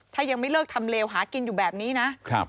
ถ้ายังไม่เลิกทำเลวหากินอยู่แบบนี้นะ